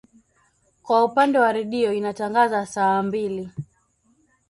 Kwa upande wa redio inatangaza saa mbili